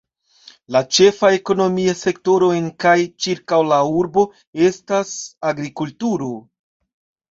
La ĉefa ekonomia sektoro en kaj ĉirkaŭ la urbo estas agrikulturo.